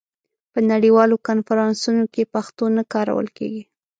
په نړیوالو کنفرانسونو کې پښتو نه کارول کېږي.